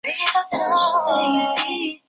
迈尔河畔卢热。